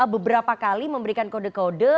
beberapa kali memberikan kode kode